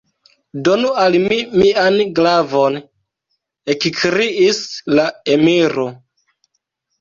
Donu al mi mian glavon! ekkriis la emiro.